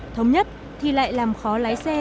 thống nhất thì lại làm khó lái xe